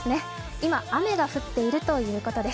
今、雨が降っているということです